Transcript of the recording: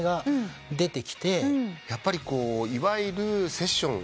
やっぱりいわゆるセッション。